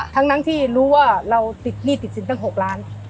ทั้งที่รู้ว่าเราติดหนี้ติดสินตั้ง๖ล้าน